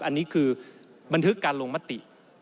อันนี้คือบันทึกการลงมติ